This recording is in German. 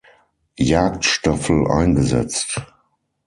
Jagdstaffel eingesetzt.